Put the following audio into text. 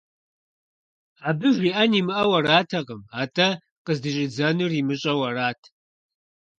Абы жиӀэн имыӀэу аратэкъым, атӀэ къыздыщӀидзэнур имыщӀэу арат.